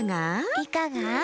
いかが？